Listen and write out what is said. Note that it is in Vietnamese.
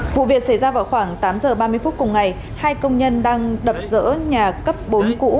vụ việc xảy ra vào khoảng tám giờ ba mươi phút cùng ngày hai công nhân đang đập dỡ nhà cấp bốn cũ